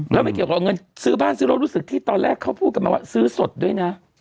แล้วไม่เกี่ยวกับเงินซื้อบ้านซื้อรถรู้สึกที่ตอนแรกเขาพูดกันมาว่าซื้อสดด้วยนะ